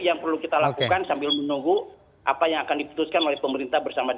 yang perlu kita lakukan